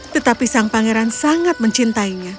tetapi sang pangeran sangat mencintainya